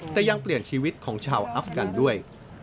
แต่ยังเปลี่ยนชีวิตของชาวอัฟกันด้วย